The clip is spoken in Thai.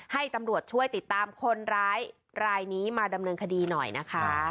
ให้ตำรวจช่วยติดตามคนร้ายรายนี้มาดำเนินคดีหน่อยนะคะ